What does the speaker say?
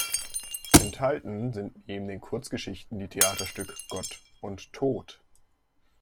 Enthalten sind neben den Kurzgeschichten die Theaterstücke "Gott" und "Tod".